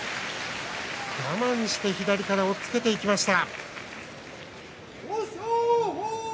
我慢して左から押っつけていきました。